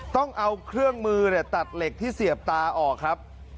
ต้องเอาเครื่องมือตัดเหล็กที่เสียบตาออกครับ